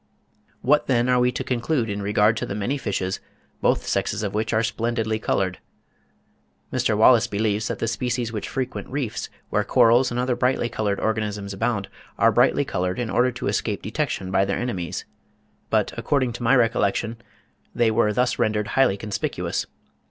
What, then, are we to conclude in regard to the many fishes, both sexes of which are splendidly coloured? Mr. Wallace (30. 'Westminster Review,' July 1867, p. 7.) believes that the species which frequent reefs, where corals and other brightly coloured organisms abound, are brightly coloured in order to escape detection by their enemies; but according to my recollection they were thus rendered highly conspicuous.